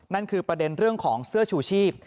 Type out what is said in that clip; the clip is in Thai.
นั่นคือประเด็นเรื่องของเสื้อชูชีพ